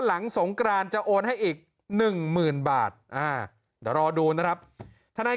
หลังสงกรานจะโอนให้อีก๑๐๐๐๐บาทอ่ะเดี๋ยวรอดูนะครับท่านนาย